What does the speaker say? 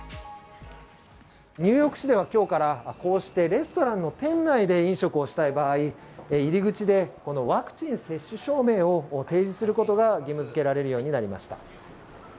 ニューヨーク市では今日からこうしてレストランの店内で飲食をしたい場合、入り口でこのワクチン接種証明を提示することが義務づけられるようになりました。